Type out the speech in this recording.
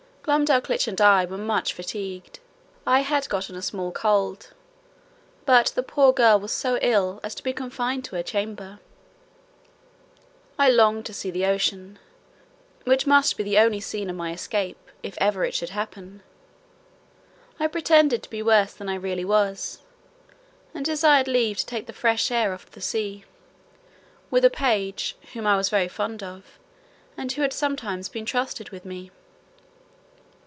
Glumdalclitch and I were much fatigued: I had gotten a small cold, but the poor girl was so ill as to be confined to her chamber. I longed to see the ocean, which must be the only scene of my escape, if ever it should happen. I pretended to be worse than I really was, and desired leave to take the fresh air of the sea, with a page, whom I was very fond of, and who had sometimes been trusted with me.